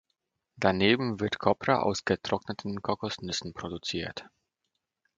Daneben wird Kopra aus getrockneten Kokosnüsse produziert.